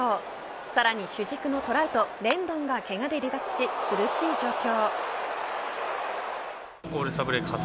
さらに主軸のトラウトレンドンが、けがで離脱し苦しい状況。